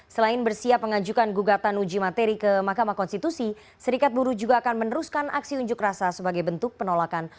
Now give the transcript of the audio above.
selain bersiap mengajukan gugatan uji materi ke mahkamah konstitusi serikat buru juga akan meneruskan aksi unjuk rasa sebagai bentuk penolakan